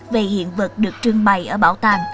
về hiện vật được trưng bày ở bảo tàng